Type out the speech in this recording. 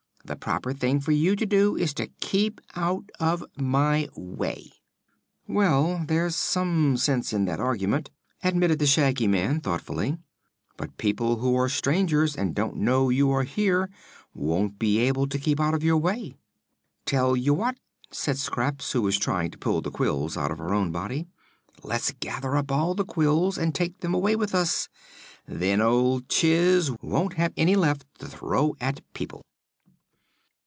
The proper thing for you to do is to keep out of my way." "Why, there's some sense in that argument," admitted the Shaggy Man, thoughtfully; "but people who are strangers, and don't know you are here, won't be able to keep out of your way." "Tell you what," said Scraps, who was trying to pull the quills out of her own body, "let's gather up all the quills and take them away with us; then old Chiss won't have any left to throw at people."